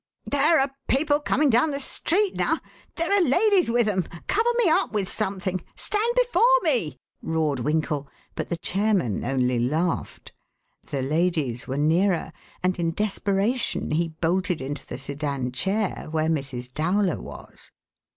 "There are people coming down the street now. There are ladies with 'em; cover me up with something! Stand before me!" roared Winkle, but the chairmen only laughed. The ladies were nearer and in desperation he bolted into the sedan chair where Mrs. Dowler was.